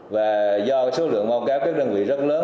và do số lượng báo cáo các đơn vị rất lớn